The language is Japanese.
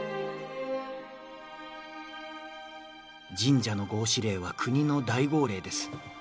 「神社の合祀令は国の大号令です。